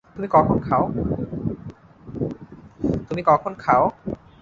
তুমি কখন খাও?